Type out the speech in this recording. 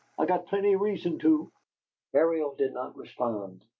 "I got plenty reason to!" Ariel did not respond.